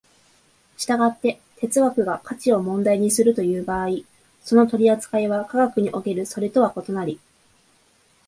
従って哲学が価値を問題にするという場合、その取扱いは科学におけるそれとは異なり、